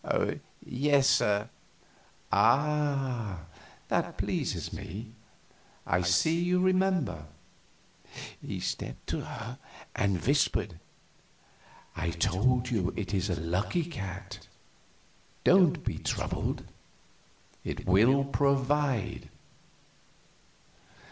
"Yes, sir." "Ah, that pleases me; I see you remember me." He stepped to her and whispered: "I told you it is a Lucky Cat. Don't be troubled; it will provide."